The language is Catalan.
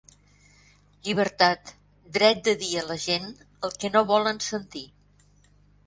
Llibertat: dret de dir a la gent el que no volen sentir.